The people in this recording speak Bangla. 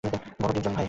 বড়ো ডিপজল, ভাই।